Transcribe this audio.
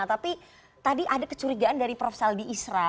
tapi tadi ada kecurigaan dari prof saldi isra